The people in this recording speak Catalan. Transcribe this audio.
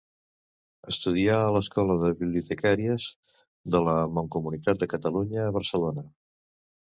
Estudià a l'Escola de Bibliotecàries de la Mancomunitat de Catalunya a Barcelona.